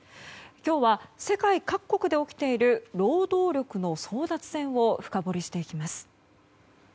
今日は、世界各国で起きている労働力の争奪戦を深掘りしていきます。